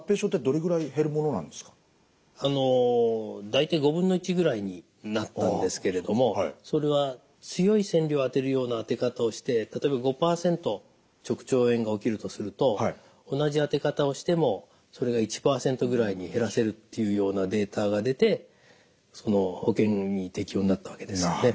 大体５分の１ぐらいになったんですけれどもそれは強い線量を当てるような当て方をして例えば５％直腸炎が起きるとすると同じ当て方をしてもそれが１％ぐらいに減らせるっていうようなデータが出て保険に適用になったわけですね。